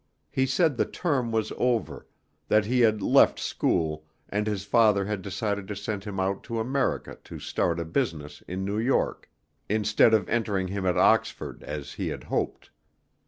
He said the term was over, that he had left school, and his father had decided to send him out to America to start in business in New York, instead of entering him at Oxford as he had hoped.